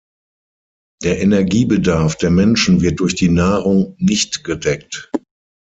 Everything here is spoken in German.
Der Energiebedarf der Menschen wird durch die Nahrung nicht gedeckt.